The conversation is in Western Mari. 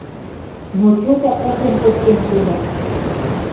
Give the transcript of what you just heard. Но тьотя попен хоть тенгелӓ